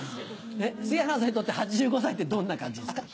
杉原さんにとって８５歳ってどんな感じですか？